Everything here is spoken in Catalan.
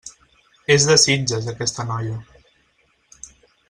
És de Sitges, aquesta noia.